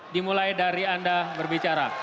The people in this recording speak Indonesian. dimulai dari anda berbicara